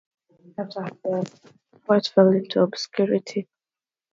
After her death, Foote fell into obscurity.